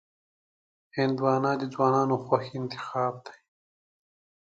هندوانه د ځوانانو خوښ انتخاب دی.